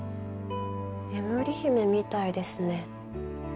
『眠り姫』みたいですね。